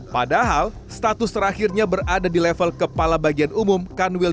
padahal status terakhirnya berada di level kepala bagian umum kanwil